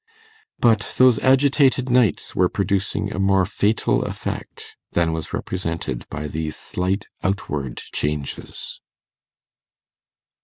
But those agitated nights were producing a more fatal effect than was represented by these slight outward changes.